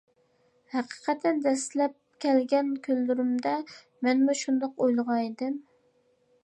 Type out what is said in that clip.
ھەقىقەتەن دەسلەپ كەلگەن كۈنلىرىمدە مەنمۇ شۇنداق ئويلىغان ئىدىم.